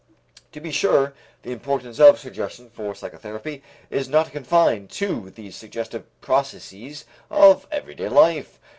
To be sure, the importance of suggestion for psychotherapy is not confined to these suggestive processes of daily life.